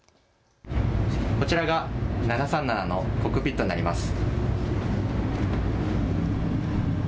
こちらが７３７のコックピットになります。